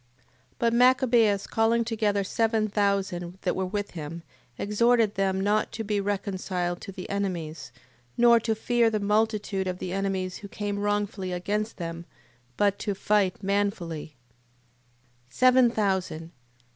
8:16. But Machabeus calling together seven thousand that were with him, exhorted them not to be reconciled to the enemies, nor to fear the multitude of the enemies who came wrongfully against them, but to fight manfully: Seven thousand...